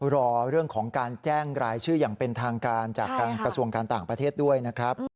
รอเรื่องของการแจ้งรายชื่ออย่างเป็นทางการจากทางกระทรวงการต่างประเทศด้วยนะครับ